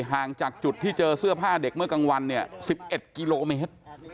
ห่างจากจุดที่เจอเสื้อผ้าเด็กเมื่อกลางวันเนี่ย๑๑กิโลเมตร